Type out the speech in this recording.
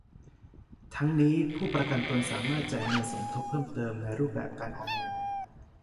ทั้งนี้ผู้ประกันตนสามารถจ่ายเงินสมทบเพิ่มเติมในรูปแบบการออมเงิน